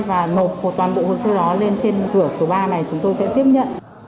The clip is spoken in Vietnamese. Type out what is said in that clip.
chúng tôi sẽ tiếp nhận